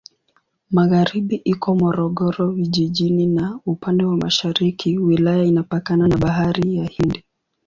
Magharibi iko Morogoro Vijijini na upande wa mashariki wilaya inapakana na Bahari ya Hindi.